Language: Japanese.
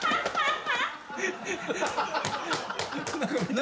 ・何？